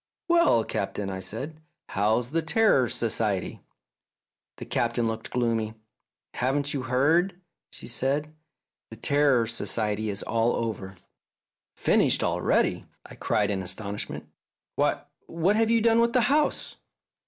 " Well, Captain/' I said, " how's the Terror Society?" The Captain looked gloomy. "Haven't you heard? " she said. " The Terror Society is all over/' "Finished already!" I cried in astonish ment. " Why, what have you done with the house?"